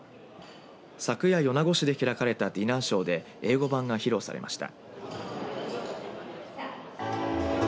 昨夜、米子市で開かれたディナーショーで英語版が披露されました。